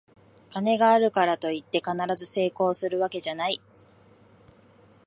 金があるからといって必ず成功するわけじゃない